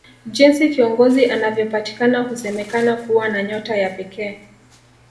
Jinsi kiongozi anavyopatikana husemakana kuwa na nyota ya pekee